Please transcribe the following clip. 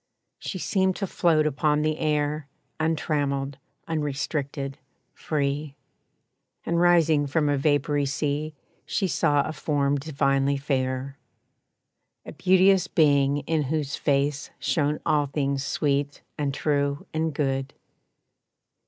She seemed to float upon the air, Untrammeled, unrestricted, free; And rising from a vapory sea She saw a form divinely fair. A beauteous being in whose face Shone all things sweet and true and good.